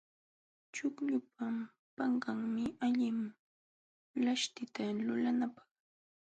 Chuqllupa panqanmi allin laśhtita lulanapaq.